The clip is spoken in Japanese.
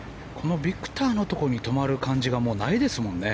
ビクトルのところに止まる感じがないですもんね。